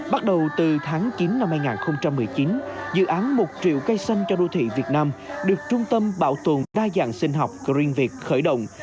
bắt đầu từ tháng chín năm hai nghìn một mươi chín dự án một triệu cây xanh cho đô thị việt nam được trung tâm bảo tồn đa dạng sinh học greenviet khởi động